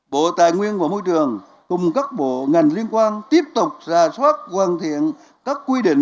bộ tài nguyên và môi trường cùng các bộ ngành liên quan tiếp tục ra soát hoàn thiện các quy định